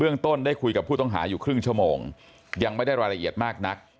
ต้นได้คุยกับผู้ต้องหาอยู่ครึ่งชั่วโมงยังไม่ได้รายละเอียดมากนัก